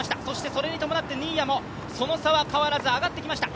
それに伴って新谷も、その差は変わらず上ってきました。